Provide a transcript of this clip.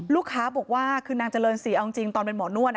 ลูกค้าบอกว่าคือนางเจริญศรีเอาจริงตอนเป็นหมอนวด